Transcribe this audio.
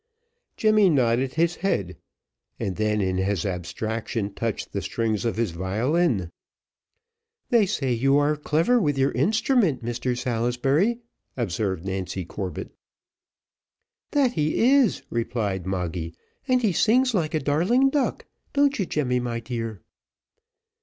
Jemmy nodded his head, and then in his abstraction touched the strings of his violin. "They say that you are clever with your instrument, Mr Salisbury," observed Nancy Corbett. "That he is," replied Moggy; "and he sings like a darling duck. Don't you, Jemmy, my dear?"